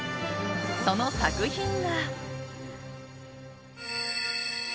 その作品が。